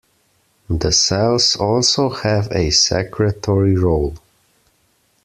The cells also have a secretory role.